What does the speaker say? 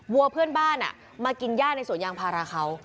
วัวเพื่อนบ้านมากินย่าในสวนยางพาราเขา